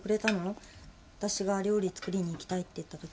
わたしが料理作りに行きたいって言ったとき。